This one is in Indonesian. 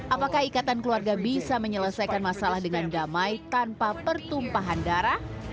apakah ikatan keluarga bisa menyelesaikan masalah dengan damai tanpa pertumpahan darah